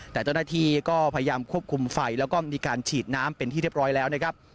แต่เจ้าหน้าที่ก็พยายามควบคุมไฟแล้วก็มีการฉีดน้ำเป็นที่เรียบร้อยแล้วนะครับ